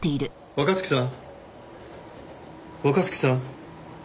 若月さん。